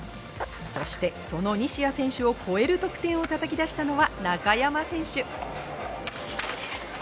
そしてその西矢選手を超える得点をたたき出したのは中山選手。